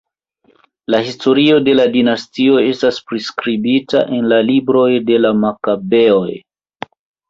La historio de la dinastio estas priskribita en la Libroj de la Makabeoj.